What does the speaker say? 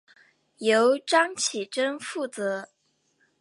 由张启珍负责。